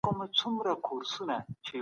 ځینې خلک خپه شول.